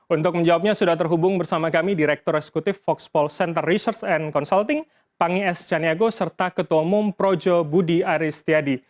untuk menjawabnya sudah terhubung bersama kami direktur eksekutif foxpol center research and consulting pangi s caniago serta ketua umum projo budi aristiadi